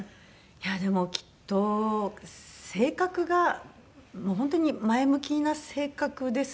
いやでもきっと性格がもう本当に前向きな性格ですね。